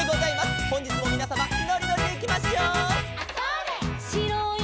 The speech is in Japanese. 「ほんじつもみなさまのりのりでいきましょう」